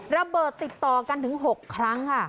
ระเบิดติดต่อกันถึง๖ครั้งค่ะ